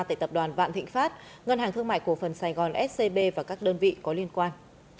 tại tập đoàn vạn thịnh pháp ngân hàng thương mại cổ phần sài gòn scb và các đơn vị có liên quan